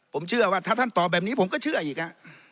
ผมเชื่อว่าถ้าท่านตอบแบบนี้ผมก็เชื่ออีก